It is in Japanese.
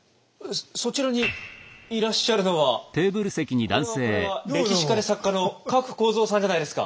そちらにいらっしゃるのはこれはこれは歴史家で作家の加来耕三さんじゃないですか。